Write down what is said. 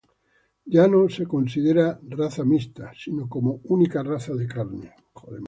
Ya no es considerada como raza mixta, sino como única raza de carne.